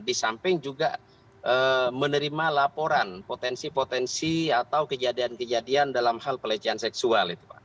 di samping juga menerima laporan potensi potensi atau kejadian kejadian dalam hal pelecehan seksual